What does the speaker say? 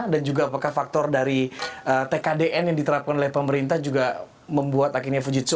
dan juga apakah faktor dari tkdn yang diterapkan oleh pemerintah juga membuat akhirnya fujitsu